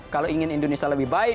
kalau ingin indonesia lebih baik